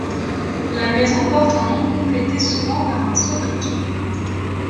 La maison porte un nom complété souvent par un sobriquet.